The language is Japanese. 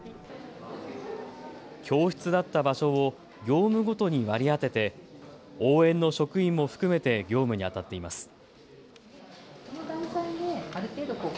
教室だった場所を業務ごとに割り当てて応援の職員も含めて業務にあたっています。